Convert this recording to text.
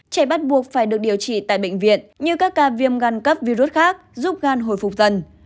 trẻ bắt buộc phải được điều trị tại bệnh viện như các ca viêm gan cấp virus khác giúp gan hồi phục dần